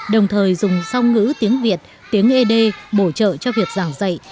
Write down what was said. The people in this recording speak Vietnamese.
đồng thời dùng song ngữ tiếng việt tiếng ế đê bổ trợ cho việc giảng dạy